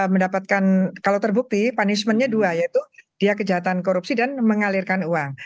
mendapatkan kalau terbukti punishmentnya dua yaitu dia kejahatan korupsi dan mengalirkan uang